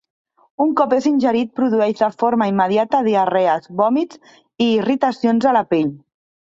Un cop és ingerit produeix de forma immediata diarrees, vòmits i irritacions a la pell.